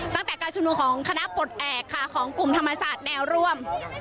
การชุมนุมของคณะปลดแอบค่ะของกลุ่มธรรมศาสตร์แนวร่วม